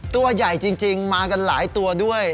ตัวใหญ่จริงมากันหลายตัวด้วย